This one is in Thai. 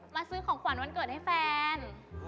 ซื้อของขวัญวันเกิดให้แฟน